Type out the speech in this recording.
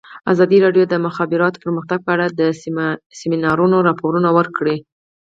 ازادي راډیو د د مخابراتو پرمختګ په اړه د سیمینارونو راپورونه ورکړي.